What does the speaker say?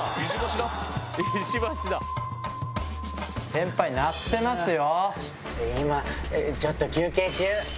先輩鳴ってますよ！